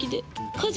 家事。